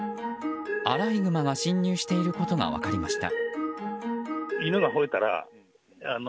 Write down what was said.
アライグマが侵入していることが分かりました。